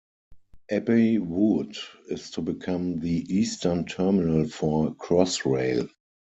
Abbey Wood is to become the eastern terminal for Crossrail.